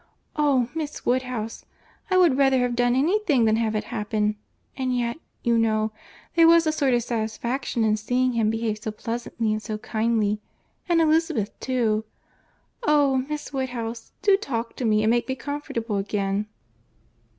Oh! Miss Woodhouse, I would rather done any thing than have it happen: and yet, you know, there was a sort of satisfaction in seeing him behave so pleasantly and so kindly. And Elizabeth, too. Oh! Miss Woodhouse, do talk to me and make me comfortable again."